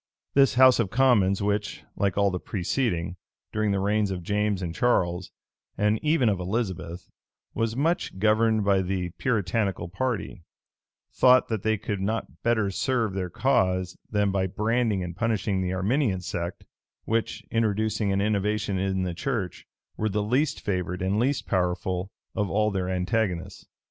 This house of commons, which, like all the preceding, during the reigns of James and Charles, and even of Elizabeth, was much governed by the Puritanical party, thought that they could not better serve their cause than by branding and punishing the Arminian sect, which, introducing an innovation in the church, were the least favored and least powerful of all their antagonists.